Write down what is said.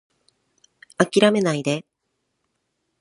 諦めないで